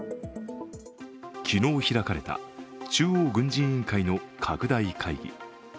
昨日開かれた中央軍事委員会の拡大会議。